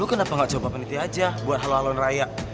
lo kenapa gak coba peneliti aja buat hal halon raya